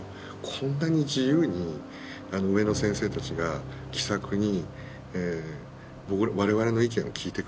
こんなに自由に上の先生たちが気さくに我々の意見を聞いてくれる。